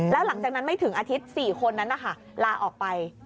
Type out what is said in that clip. แล้วหลังจากนั้นไม่ถึงอาทิตย์๔คนนั้นนะคะลาออกไป